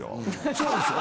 そうですよ。